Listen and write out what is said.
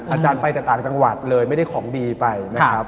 อาจารย์ไปแต่ต่างจังหวัดเลยไม่ได้ของดีไปนะครับ